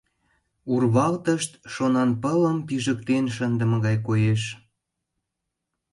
Урвалтышт шонанпылым пижыктен шындыме гай коеш.